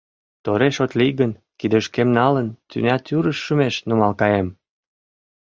Тореш от лий гын, кидышкем налын, тӱня тӱрыш шумеш нумал каем!..